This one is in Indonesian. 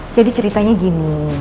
jadi ceritanya gini